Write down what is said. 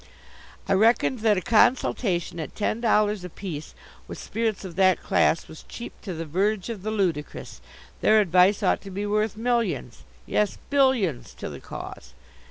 I reckoned that a consultation at ten dollars apiece with spirits of that class was cheap to the verge of the ludicrous. Their advice ought to be worth millions yes, billions to the cause.